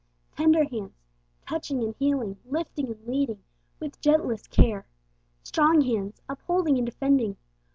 Tender hands, touching and healing, lifting and leading with gentlest care. Strong hands, upholding and defending.